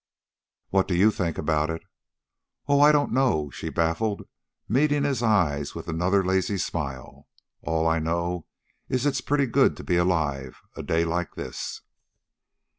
"What do you think about it?" "Oh, I don't know," she baffled, meeting his eyes with another lazy smile. "All I know is it's pretty good to be alive a day like this."